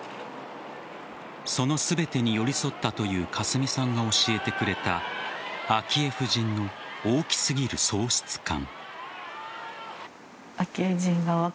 その全てに寄り添ったという香寿美さんが教えてくれた昭恵夫人の大きすぎる喪失感。